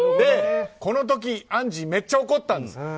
この時、アンジーめっちゃ怒ったんです。